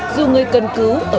dù người cần cứu